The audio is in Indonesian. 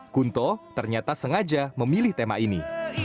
kunto ternyata sengaja memilih tema ini